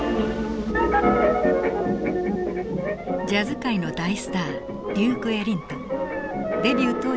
ジャズ界の大スターデューク・エリントン。